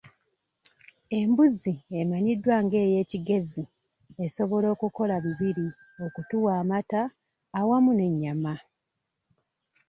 Embuzi emanyiddwa nga ey'e Kigezi esobola okukola bibiri okutuwa amata awamu n'ennyama.